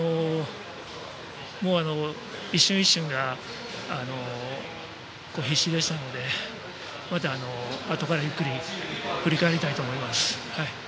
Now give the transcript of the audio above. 一瞬一瞬が必死でしたのでまた、あとからゆっくり振り返りたいと思います。